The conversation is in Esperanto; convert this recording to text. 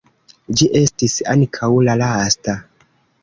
Ĝi estis ankaŭ la lasta.